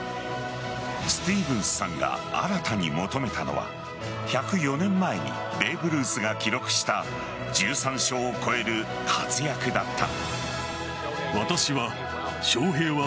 スティーブンスさんが新たに求めたのは１０４年前にベーブ・ルースが記録した１３勝を超える活躍だった。